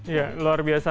ya luar biasa